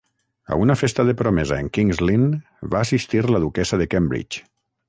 A una festa de promesa en Kings Lynn va assistir la duquessa de Cambridge.